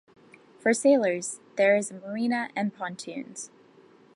For sailors, there is a marina and pontoons.